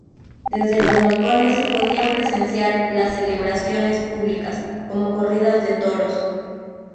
Desde los balcones se podían presenciar las celebraciones públicas, como corridas de toros.